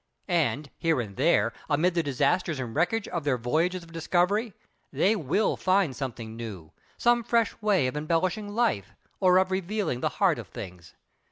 And, here and there, amid the disasters and wreckage of their voyages of discovery, they will find something new, some fresh way of embellishing life, or of revealing the heart of things.